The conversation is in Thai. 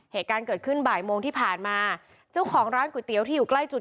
เหตุการณ์เกิดขึ้นบ่ายโมงที่ผ่านมาเจ้าของร้านก๋วยเตี๋ยวที่อยู่ใกล้จุด